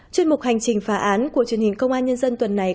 chuyên mục hành trình phá án của truyền hình công an nhân dân tuần này